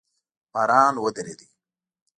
باران ودرېده